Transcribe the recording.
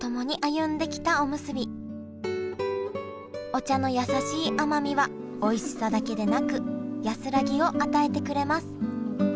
お茶のやさしい甘みはおいしさだけでなく安らぎを与えてくれます